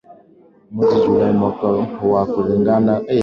mwezi julai mwaka huu kulingana na makubaliano ya amani